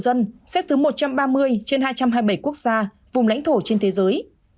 tổng số ca tử vong xếp thứ hai mươi bốn trên hai trăm hai mươi bảy quốc gia và vùng lãnh thổ trên thế giới